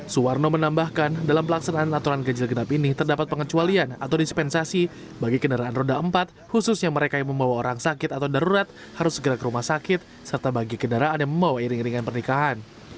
suwarno menambahkan dalam pelaksanaan aturan ganjil genap ini terdapat pengecualian atau dispensasi bagi kendaraan roda empat khususnya mereka yang membawa orang sakit atau darurat harus segera ke rumah sakit serta bagi kendaraan yang membawa iring iringan pernikahan